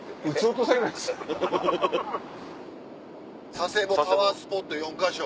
佐世保パワースポット４か所。